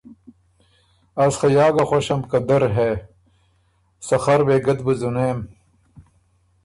از خه یا ګه خوشم که دۀ ر هې، سخر وېګه ت بُو ځُونېم۔